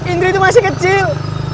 indri itu masih kecil